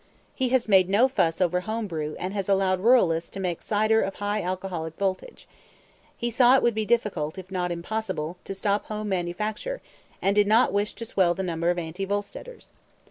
He has made no fuss over home brew and has allowed ruralists to make cider of high alcoholic voltage. He saw it would be difficult, if not impossible, to stop home manufacture and did not wish to swell the number of anti Volsteaders.